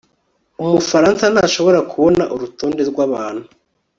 Umufaransa ntashobora kubona urutonde rwabantu